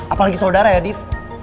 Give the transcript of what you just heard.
apalagi saudara ya div